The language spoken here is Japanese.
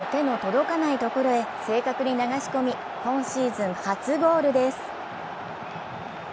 キーパーの手の届かないところへ正確に流し込み、今シーズン初ゴールです。